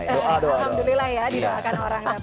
alhamdulillah ya di doakan orang